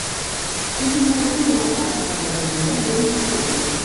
és una foto de la plaça major de Lloret de Vistalegre.